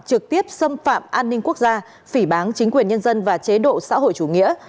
trực tiếp xâm phạm an ninh quốc gia phỉ bán chính quyền nhân dân và chế độ xã hội chủ nghĩa